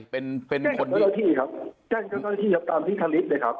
แจ้งกับเวลาที่ครับแจ้งกับเวลาที่ครับตามที่คณิตเลยครับ